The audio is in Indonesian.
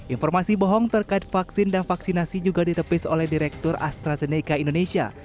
informasi bohong terkait vaksin dan vaksinasi juga ditepis oleh direktur astrazeneca indonesia